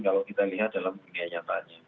kalau kita lihat dalam dunia nyatanya